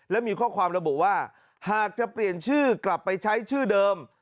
และมีข้อความระบุว่าหากจะเปลี่ยนชื่อกลับไปใช้ชื่อเดิม